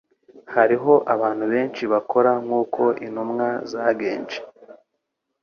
Hariho abantu benshi bakora nk'uko intumwa zagenje.